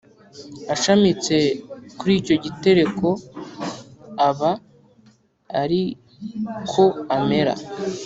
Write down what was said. Ashamitse kuri icyo gitereko aba ari ko amera